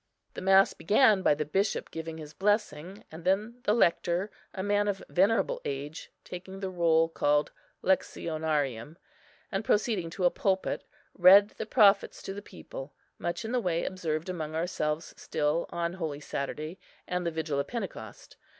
The mass began by the bishop giving his blessing; and then the Lector, a man of venerable age, taking the roll called Lectionarium, and proceeding to a pulpit, read the Prophets to the people, much in the way observed among ourselves still on holy Saturday and the vigil of Pentecost.